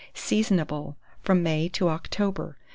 Seasonable from May to October.